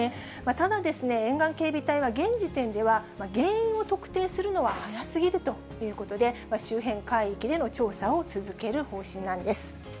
ただ、沿岸警備隊は現時点では原因を特定するのは早すぎるということで、周辺海域での調査を続ける方針なんです。